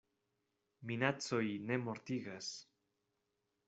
Minacoj ne mortigas.